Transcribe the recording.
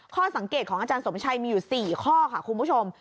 ข้อสังเกตของอาจารย์สมชัยมีอยู่๔ข้อค่ะคุณผู้ชม